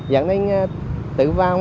dẫn đến tự vang